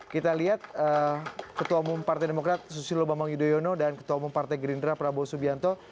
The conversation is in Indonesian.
kita lihat ketua umum partai demokrat susilo bambang yudhoyono dan ketua umum partai gerindra prabowo subianto